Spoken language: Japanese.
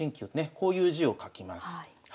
こういう字を書きます。